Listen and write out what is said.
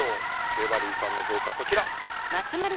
デバリーさんの評価こちら。